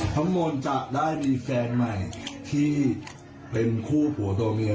ทั้งหมดจับได้มีแฟนใหม่ที่เป็นคู่ผัวตัวเมีย